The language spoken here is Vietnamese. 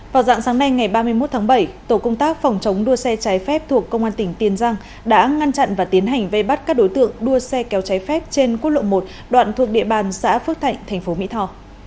vào dạng sáng nay ngày ba mươi một tháng bảy tổ công tác phòng chống đua xe trái phép thuộc công an tỉnh tiền giang đã ngăn chặn và tiến hành vây bắt các đối tượng đua xe kéo cháy phép trên quốc lộ một đoạn thuộc địa bàn xã phước thạnh tp mỹ tho